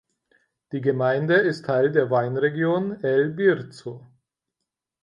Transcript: Die Gemeinde ist Teil der Weinregion El Bierzo.